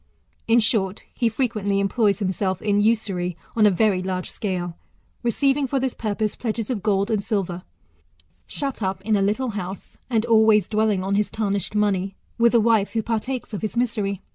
In short, he frequently employs himself in usury on a very large scale, receiving for this purpose pledges of gold and silver; shut up in a little house, and always dwelling on his tarnished money, with a wife who partakes of his misery.